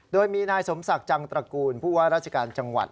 โดยมีนายสมศักดิ์จังตระกูลผู้ว่าราชการจังหวัด